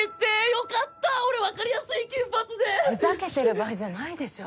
よかった俺分かりやすい金髪でふざけてる場合じゃないでしょ